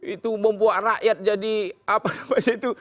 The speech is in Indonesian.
itu membuat rakyat jadi apa namanya itu